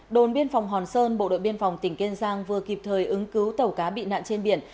đồn biên phòng hòn sơn bộ đội biên phòng tỉnh kiên giang vừa kịp thời ứng cứu tàu cá bị nạn trên biển